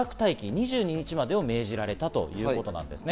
２２日までを命じられたということなんですね。